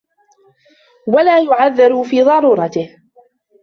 وَلَا يُعْذَرُ فِي ضَرُورَتِهِ